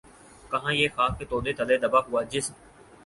کہاں یہ خاک کے تودے تلے دبا ہوا جسم